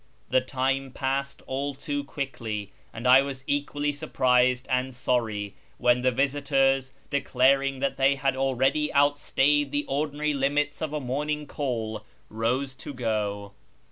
The time passed all too quickly, and I was equally surprised and sorry when the visitors, declaring that they had already outstayed the ordinary limits of a morning call, rose to n;o.